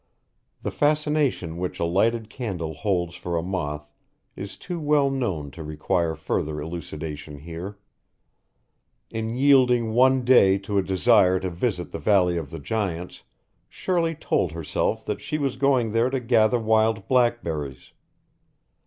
The fascination which a lighted candle holds for a moth is too well known to require further elucidation here. In yielding one day to a desire to visit the Valley of the Giants, Shirley told herself that she was going there to gather wild blackberries.